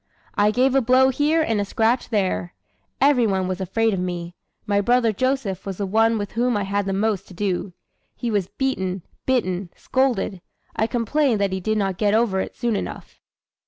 I gave a blow here and a scratch there. Every one was afraid of me. My brother Joseph was the one with whom I had the most to do. He was beaten, bitten, scolded. I complained that he did not get over it soon enough."